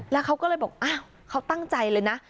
แล้วเขาก็เลยบอกขอตั้งใจเลยนะ